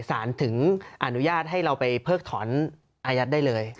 ถึงอนุญาตให้เราไปเพิกถอนอายัดได้เลย